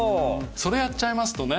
それやっちゃいますとね。